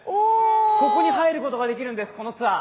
ここに入ることができるんです、このツアー。